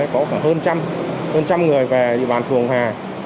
có hơn trăm người về địa bàn phường hà